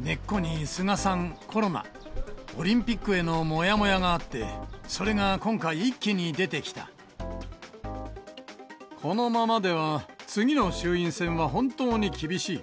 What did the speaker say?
根っこに菅さん、コロナ、オリンピックへのもやもやがあって、このままでは、次の衆院選は本当に厳しい。